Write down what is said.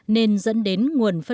nên dẫn đến nguồn phát triển